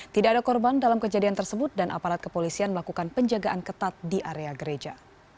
tidak ada korban dalam kejadian tersebut dan aparat kepolisian melakukan penjagaan ketat di area gereja